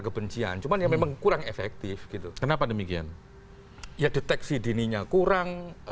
kebencian cuman ya memang kurang efektif gitu kenapa demikian ya deteksi dininya kurang